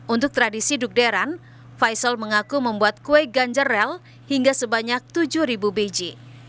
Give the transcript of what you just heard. untuk tradisi dukderan faisal mengaku membuat kue ganjar rel hingga sebanyak tujuh biji